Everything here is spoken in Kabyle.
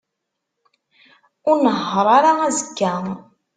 Ur nnehheṛ ara azekka.